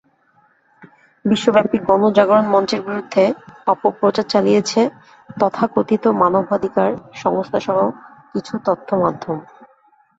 বিশ্বব্যাপী গণজাগরণ মঞ্চের বিরুদ্ধে অপপ্রচার চালিয়েছে তথাকথিত মানবাধিকার সংস্থাসহ কিছু তথ্যমাধ্যম।